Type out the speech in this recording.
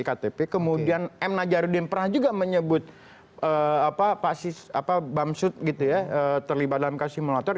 kemudian m najarudin pernah juga menyebut pak bamsud terlibat dalam kasus simulator